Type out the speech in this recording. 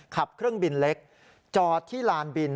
ขับเครื่องบินเล็กจอดที่ลานบิน